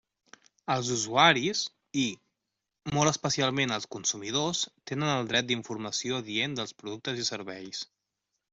Els usuaris i, molt especialment els consumidors, tenen el dret d'informació adient dels productes i serveis.